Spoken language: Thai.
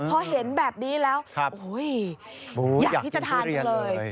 พอเห็นแบบนี้แล้วอยากที่จะทานจังเลย